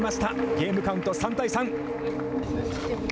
ゲームカウント３対３。